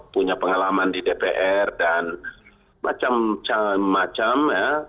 punya pengalaman di dpr dan macam macam ya